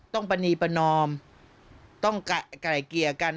ต้องประนีประนอมต้องไก่เกียร์กัน